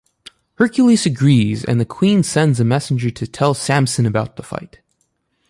Hercules agrees and the queen sends a messenger to tell Samson about the fight.